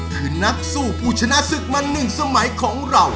คือนักสู้ผู้ชนะศึกมา๑สมัยของเรา